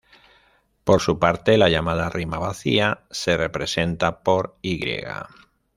Por su parte, la llamada "rima vacía" se representa por "y".